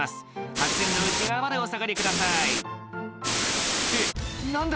白線の内側までお下がりくださいって何だ？